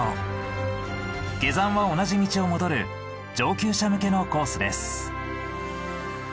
下山は同じ道を戻る上級者向けのコースです。